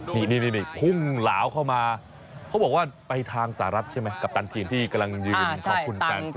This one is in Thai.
นี่พุ่งเหลาเข้ามาเขาบอกว่าไปทางสหรัฐใช่ไหมกัปตันทีมที่กำลังยืนขอบคุณกัน